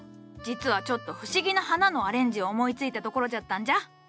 実はちょっと不思議な花のアレンジを思いついたところじゃったんじゃ。